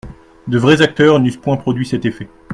De vrais acteurs n'eussent point produit cet effet.